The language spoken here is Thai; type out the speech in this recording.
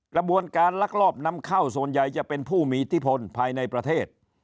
กระบวนการลักลอบนำเข้าส่วนใหญ่จะเป็นผู้มีอิทธิพลภายในประเทศ